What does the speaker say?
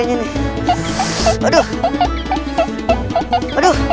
ini juga mulut